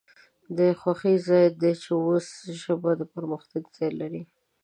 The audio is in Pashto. د خوښۍ ځای د چې اوس ژبه د پرمختګ ځای لري